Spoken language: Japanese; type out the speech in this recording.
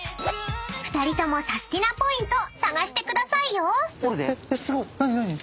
［２人ともサスティなポイント探してくださいよ］